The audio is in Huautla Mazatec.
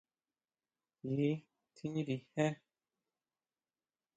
Ji tjínri jé.